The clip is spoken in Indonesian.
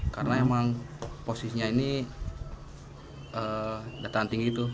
karena emang posisinya ini datang tinggi itu